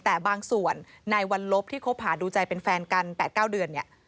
แต่บางส่วนในวันลบที่คบหาดูใจเป็นแฟนกัน๘๙เดือนเนี่ย